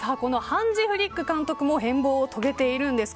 ハンジ・フリック監督も変貌を遂げているんです。